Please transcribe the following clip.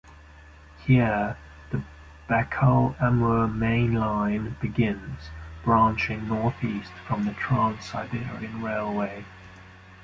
Here the Baikal-Amur Mainline begins, branching northeast from the Trans-Siberian Railway.